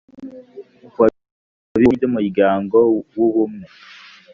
w abibumbye n iby umuryango w ubumwe